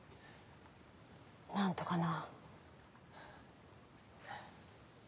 何とかな。